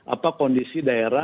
apa kondisi daerah